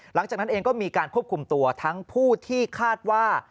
หลังจากนั้นเองก็มีการควบคุมตัวทั้งผู้ที่คาดว่า